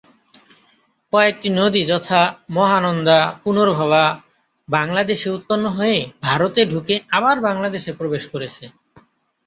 কয়েকটি নদী যথা- মহানন্দা, পুনর্ভবা বাংলাদেশে উৎপন্ন হয়ে ভারতে ঢুকে আবার বাংলাদেশে প্রবেশ করেছে।